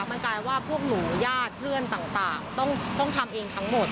มันกลายว่าพวกหนูญาติเพื่อนต่างต้องทำเองทั้งหมด